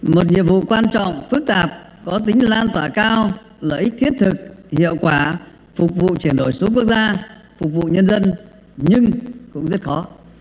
một nhiệm vụ quan trọng phức tạp có tính lan tỏa cao lợi ích thiết thực hiệu quả phục vụ chuyển đổi số quốc gia phục vụ nhân dân nhưng cũng rất khó